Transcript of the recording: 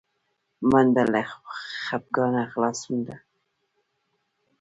منډه له خپګانه خلاصون ده